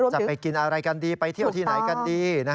จะไปกินอะไรกันดีไปเที่ยวที่ไหนกันดี